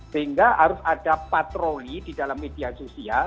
sehingga harus ada patroli di dalam media sosial